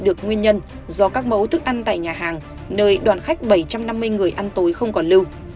được nguyên nhân do các mẫu thức ăn tại nhà hàng nơi đoàn khách bảy trăm năm mươi người ăn tối không còn lưu